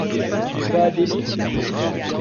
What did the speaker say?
Il va à Delhi ?